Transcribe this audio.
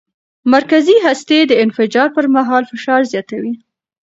مرکزي هستي د انفجار پر مهال فشار زیاتوي.